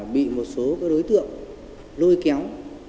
bị một số đối tượng lôi kéo